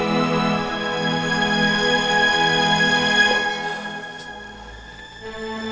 jangan bawa dia